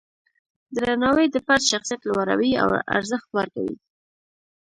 درناوی د فرد شخصیت لوړوي او ارزښت ورکوي.